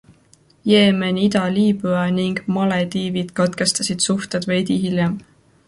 Jeemen, Ida-Liibüa ning Malediivid katkestasid suhted veidi hiljem.